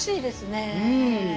うん。